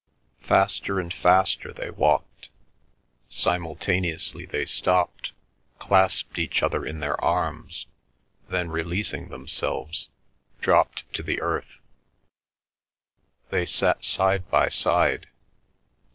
Faster and faster they walked; simultaneously they stopped, clasped each other in their arms, then releasing themselves, dropped to the earth. They sat side by side.